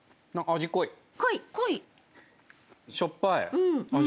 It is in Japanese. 味しょっぱい。